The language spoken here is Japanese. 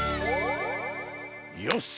よし。